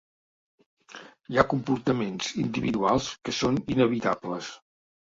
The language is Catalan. Hi ha comportaments individuals que són inevitables.